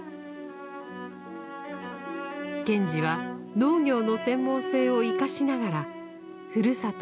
賢治は農業の専門性を生かしながらふるさと